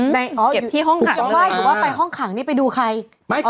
อ๋อเก็บที่ห้องขังหรือว่าไปห้องขังนี่ไปดูใคร